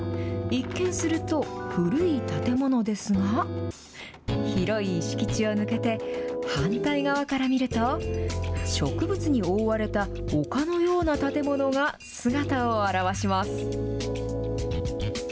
一見すると古い建物ですが、広い敷地を抜けて、反対側から見ると、植物に覆われた丘のような建物が姿を現します。